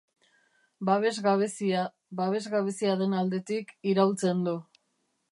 Babes gabezia, babes gabezia den aldetik, iraultzen du.